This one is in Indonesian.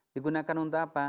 digunakan untuk apa